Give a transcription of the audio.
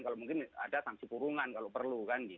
kalau mungkin ada sanksi kurungan kalau perlu